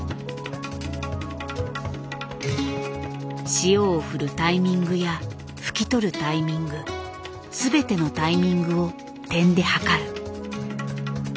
塩を振るタイミングや拭き取るタイミングすべてのタイミングを点で計る。